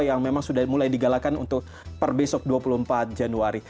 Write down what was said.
yang memang sudah mulai digalakkan untuk perbesok dua puluh empat januari